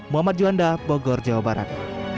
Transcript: muhammad juanda bogor jawa barat